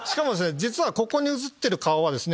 実はここに写ってる顔はですね